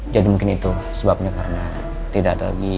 jadi mungkin itu sebabnya karena tidak ada lagi